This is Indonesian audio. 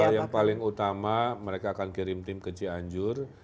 yang paling utama mereka akan kirim tim ke cianjur